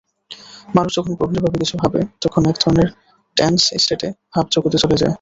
মানুষ যখন গভীরভাবে কিছু ভাবে তখন একধরনের টেন্স ষ্টেটে ভাবজগতে চলে যায়।